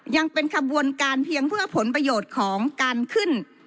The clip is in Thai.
ยังเป็นขบวนการเพียงเพื่อผลประโยชน์ของการขึ้น